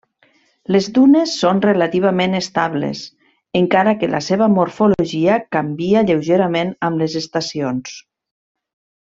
Les dunes són relativament estables, encara que la seva morfologia canvia lleugerament amb les estacions.